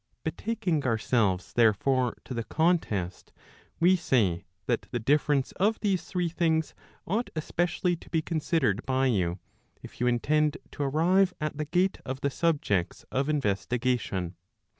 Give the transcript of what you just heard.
Betaking ourselves therefore to the contest, we say, that the difference of these three things ought especially to be considered by you, if you intend to arrive at the gate of the subjects of investigation.